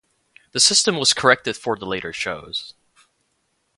The system was corrected for the later shows.